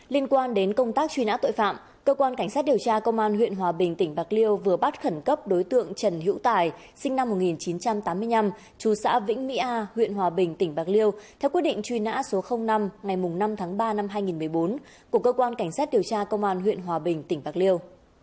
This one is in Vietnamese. liên quan đến công tác truy nã tội phạm cơ quan cảnh sát điều tra công an huyện hòa bình tỉnh bạc liêu vừa bắt khẩn cấp đối tượng trần hữu tài sinh năm một nghìn chín trăm tám mươi năm chú xã vĩnh mỹ a huyện hòa bình tỉnh bạc liêu theo quyết định truy nã số năm ngày năm tháng ba năm hai nghìn một mươi bốn của cơ quan cảnh sát điều tra công an huyện hòa bình tỉnh bạc liêu